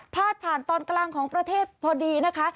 ผ่านตอนกลางของประเทศพอดีนะคะ